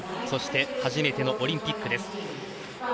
そして初めてのオリンピックです。